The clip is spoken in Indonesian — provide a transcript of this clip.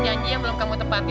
janji yang belum kamu tepati